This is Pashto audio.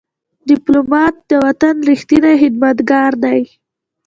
ډيپلومات د وطن ریښتینی خدمتګار دی.